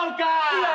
うわ！